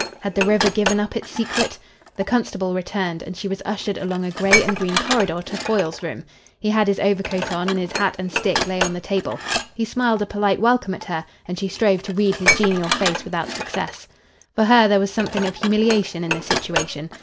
Had the river given up its secret? The constable returned, and she was ushered along a grey and green corridor to Foyle's room. He had his overcoat on, and his hat and stick lay on the table. He smiled a polite welcome at her, and she strove to read his genial face without success. For her there was something of humiliation in the situation.